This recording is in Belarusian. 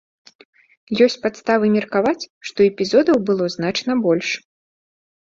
Ёсць падставы меркаваць, што эпізодаў было значна больш.